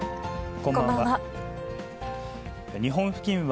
こんばんは。